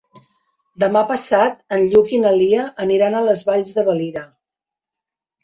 Demà passat en Lluc i na Lia aniran a les Valls de Valira.